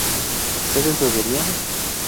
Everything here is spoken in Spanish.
¿ustedes beberían?